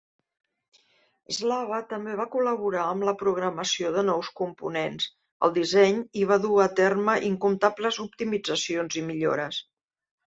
Slava també va col·laborar amb la programació de nous components, el disseny i va dur a terme incomptables optimitzacions i millores.